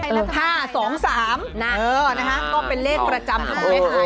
๕๒๓เออนะฮะก็เป็นเลขประจำของแม่ฮาย